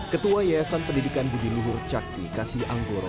ketua yayasan pendidikan budi luhur cakti kasih anggoro